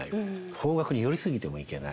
邦楽に寄り過ぎてもいけない。